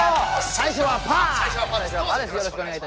「最初はパーです！」